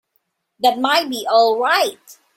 That might be all right.